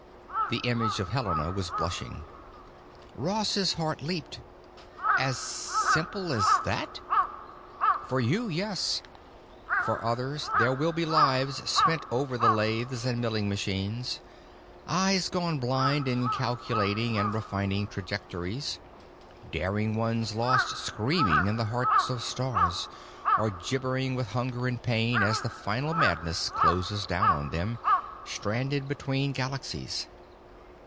The image of Helena was blushing. Ross's heart leaped. "As simple as that?" "For you, yes. For others there will be lives spent over the lathes and milling machines, eyes gone blind in calculating and refining trajectories, daring ones lost screaming in the hearts of stars, or gibbering with hunger and pain as the final madness closes down on them, stranded between galaxies.